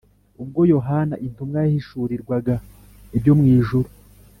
. Ubwo Yohana intumwa yahishurirwaga ibyo mw’ijuru